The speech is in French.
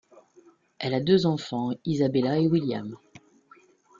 Elle a deux enfants Isabella et William.